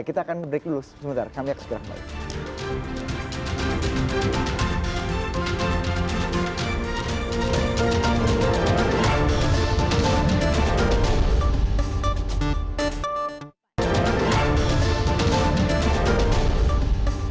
kita akan break dulu sebentar kami akan segera kembali